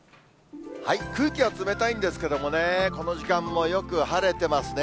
空気は冷たいんですけれどもね、この時間もよく晴れてますね。